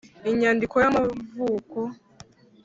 inyandiko y’amavuko